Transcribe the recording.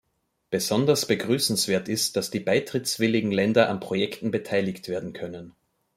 Besonders begrüßenswert ist, dass die beitrittswilligen Länder an Projekten beteiligt werden können.